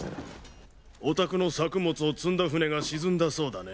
お宅の作物を積んだ船が沈んだそうだね。